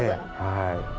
はい。